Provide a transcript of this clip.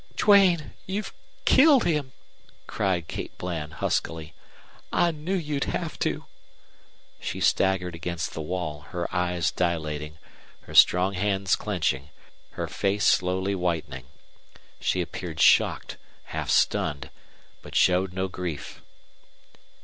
"Duane, you've killed him!" cried Kate Bland, huskily. "I knew you'd have to!" She staggered against the wall, her eyes dilating, her strong hands clenching, her face slowly whitening. She appeared shocked, half stunned, but showed no grief.